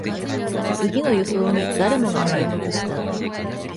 次の予想に誰もが注目した